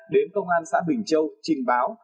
đến công an xã bình châu trình báo